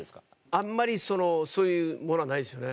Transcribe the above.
あんまりそういうものはないですよね。